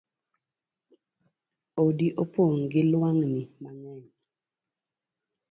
Odi opong gi luangni mangeny